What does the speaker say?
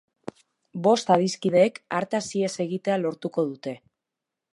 Bost adiskideek hartaz ihes egitea lortuko dute.